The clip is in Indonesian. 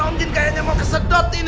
om jin kayaknya mau kesedot ini